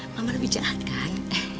mama lebih jahat kan